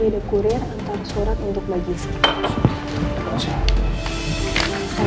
dekorir antara surat untuk bagi si